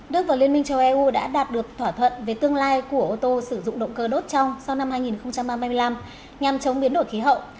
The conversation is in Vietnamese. đức và liên minh châu âu đã đạt được thỏa thuận về tương lai của ô tô sử dụng động cơ đốt trong sau năm hai nghìn hai mươi năm nhằm chống biến đổi khí hậu